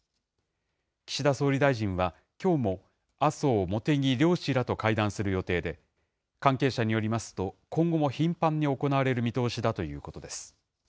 岸田総理大臣は、きょうも麻生、茂木両氏らと会談する予定で、関係者によりますと、今後も頻繁に行われる見通しだということです。